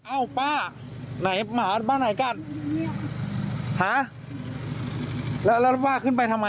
อ้าวป้ามาบ้านไหนกันหาแล้วป้าขึ้นไปทำไม